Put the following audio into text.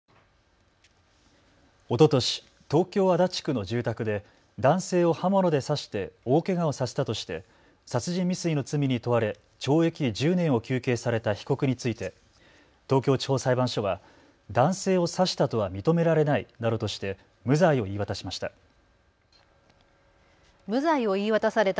おととし、東京足立区の住宅で男性を刃物で刺して大けがをさせたとして殺人未遂の罪に問われ懲役１０年を求刑された被告について東京地方裁判所は男性を刺したとは認められないなどとして無罪を言い渡しました。